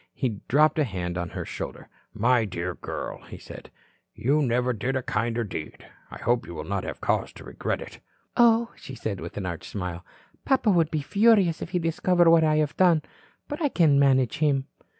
He dropped a hand on her shoulder. "My dear girl," he said. "You never did a kinder deed. I hope you will not have cause to regret it." "Oh," said she with an arch smile. "Papa would be furious if he discovered what I have done. But I can manage him."